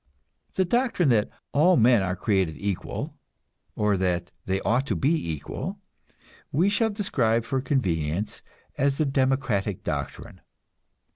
The doctrine that "all men are created equal," or that they ought to be equal, we shall describe for convenience as the democratic doctrine.